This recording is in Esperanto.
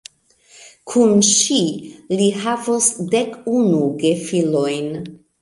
Kun ŝi li havos dek unu gefilojn.